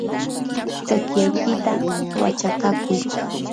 tsiqllaykita wachakakuy.